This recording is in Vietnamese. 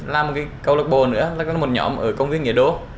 làm một câu lạc bồ nữa là có một nhóm ở công viên nghĩa đô